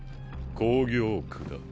工業区だ。